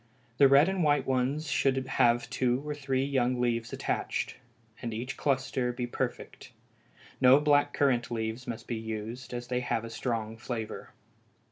The red and white ones should have two or three young leaves attached, and each cluster be perfect; no black currant leaves must be used, as they have a strong flavor.